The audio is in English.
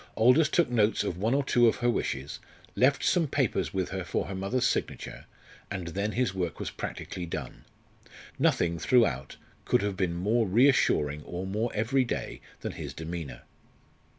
Aldous took notes of one or two of her wishes, left some papers with her for her mother's signature, and then his work was practically done. Nothing, throughout, could have been more reassuring or more everyday than his demeanour.